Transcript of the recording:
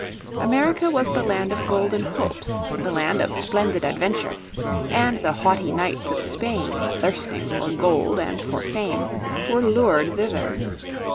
America was the land of golden hopes, the land of splendid adventure, and the haughty knights of Spain, thirsting for gold and for fame, were lured thither.